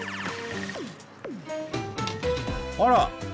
あら！